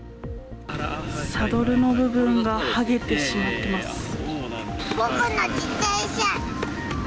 サドルの部分が剥げてしまっ僕の自転車！